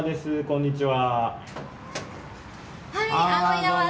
こんにちは。